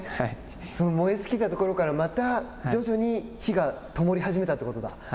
燃え尽きたところからまた徐々に灯がともり始めたということか。